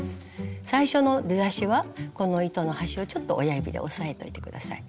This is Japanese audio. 最初の出だしはこの糸の端をちょっと親指で押さえといて下さい。